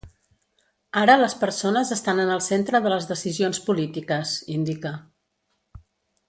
“Ara les persones estan en el centre de les decisions polítiques”, indica.